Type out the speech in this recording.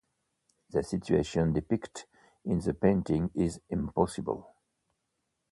The situation depicted in the painting is impossible.